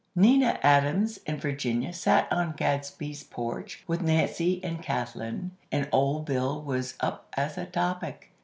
Nina Adams and Virginia sat on Gadsby's porch with Nancy and Kathlyn; and Old Bill was up as a topic.